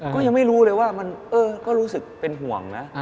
ก็ยังไม่รู้เลยว่ามันก็รู้สึกเป็นห่วงนะ